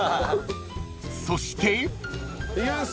［そして］いきます。